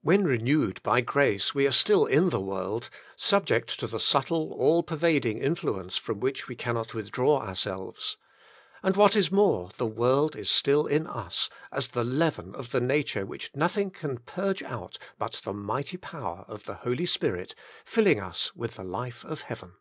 When renewed by grace we are still in the world, subject to the subtle all pervading influence from which we cannot withdraw ourselves. And what is more, the world is still in us, as the leaven of the nature which nothing can purge out but the mighty power of the Holy Spirit, filling us with the life of heaven.